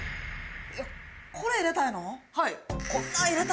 これ入れたいの？